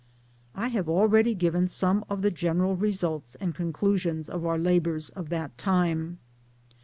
I have already, given some of the general results and conclusions of our labours of that time.